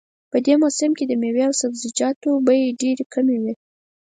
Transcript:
په دې موسم کې د میوو او سبزیجاتو بیې ډېرې کمې وي